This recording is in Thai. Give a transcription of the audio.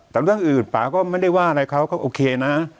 แต่เรื่องอื่นป่าก็ไม่ได้ว่าอะไรเขาก็โอเคนะ